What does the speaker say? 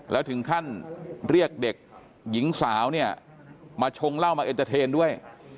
แล้วถึงขั้นเรียกเด็กหญิงสาวเนี่ยมาชงเหล้ามาเอ็นเตอร์เทนด้วย